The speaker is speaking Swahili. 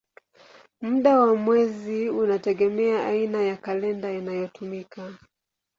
Muda wa mwezi unategemea aina ya kalenda inayotumika.